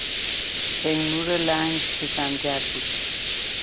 تیمور لنگ ستمگر بود.